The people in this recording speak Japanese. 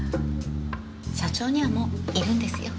社長にはもういるんですよ。